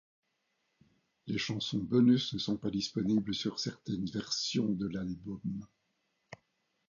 Les chansons bonus ne sont pas disponibles sur certaines versions de l'album.